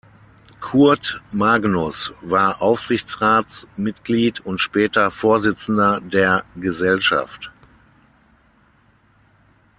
Kurt Magnus war Aufsichtsratsmitglied und später -vorsitzender der Gesellschaft.